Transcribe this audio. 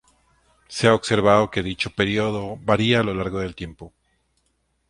Se ha observado que dicho período varía a lo largo del tiempo.